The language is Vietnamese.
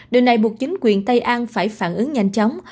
điều này buộc chính quyền tây an phải phản ứng nhanh chóng